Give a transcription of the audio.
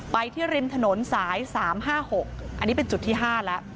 ไปที่ริมถนนสาย๓๕๖อันนี้เป็นจุดที่๕แล้ว